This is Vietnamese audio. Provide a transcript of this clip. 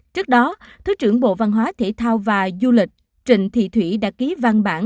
trước đó thứ trưởng bộ văn hóa thể thao và du lịch trịnh thị thủy đã ký văn bản